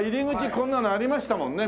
こんなのありましたもんね